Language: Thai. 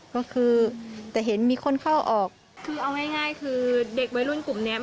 ก็คือจะเห็นมีคนเข้าออกคือเอาง่ายง่ายคือเด็กวัยรุ่นกลุ่มเนี้ย